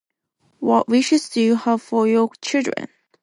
What wishes do you have for your children?